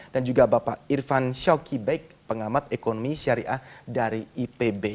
dan juga bapak irfan syawki baik pengamat ekonomi syariah dari ipb